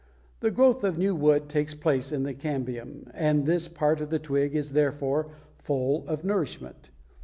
The growth of new wood takes place in the cambium, and this part of the twig is therefore full of nourishment.